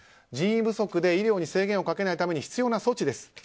人員不足で医療に制限をかけないために必要な措置です。